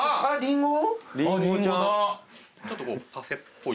ちょっとこうパフェっぽい。